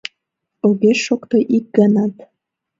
Огеш шокто ик ганат.